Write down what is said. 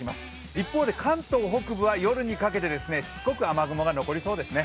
一方で関東北部は夜にかけてしつこく雨雲が残りそうですね。